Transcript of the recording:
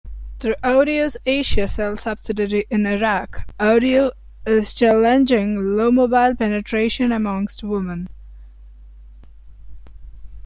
Through Ooredoo's Asiacell subsidiary in Iraq, Ooredoo is challenging low mobile penetration amongst women.